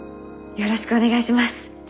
よろしくお願いします